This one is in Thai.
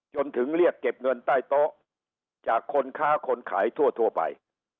จนถึงเรียกเก็บเงินใต้โต๊ะจากคนค้าคนขายทั่วไป